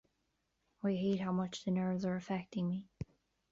I hate how much the nerves are affecting me.